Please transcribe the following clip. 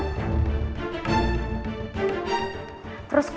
dansmohom seperti ini